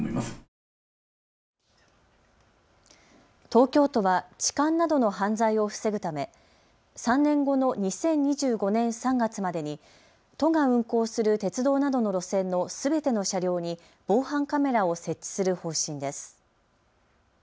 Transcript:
東京都は痴漢などの犯罪を防ぐため３年後の２０２５年３月までに都が運行する鉄道などの路線のすべての車両に防犯カメラを設置する方針です。